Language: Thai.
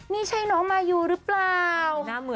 นี่ใช่น้องมายูหรือเปล่า